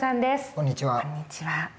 こんにちは。